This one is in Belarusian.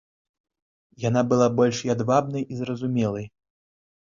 Яна была больш ядвабнай і зразумелай.